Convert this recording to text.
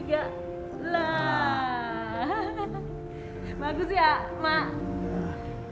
bagus ya mak